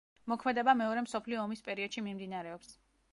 მოქმედება მეორე მსოფლიო ომის პერიოდში მიმდინარეობს.